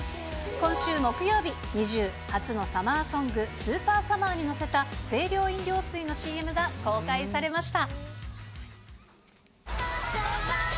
今週木曜日、ＮｉｚｉＵ初のサマーソング、スーパーサマーに乗せた、清涼飲料水のＣＭが公開されました。